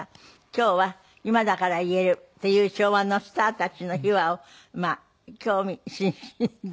今日は今だから言えるっていう昭和のスターたちの秘話を興味津々ですけども。